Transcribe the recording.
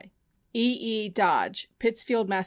E. E. Dodge, Pittsfield, Mass.